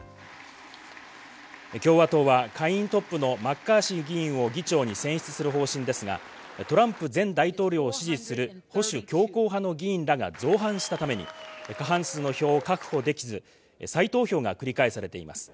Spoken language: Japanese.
共和党は下院トップのマッカーシー議員を議長に選出する方針ですが、トランプ前大統領を支持する保守強硬派の議員らが造反したために過半数の票を確保できず再投票が繰り返されています。